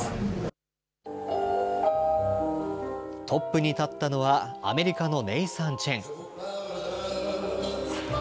トップに立ったのはアメリカのネイサン・チェン。